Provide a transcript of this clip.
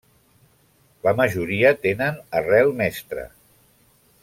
La majoria tenen arrel mestra.